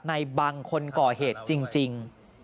ในบังคนก่อเหตุจริง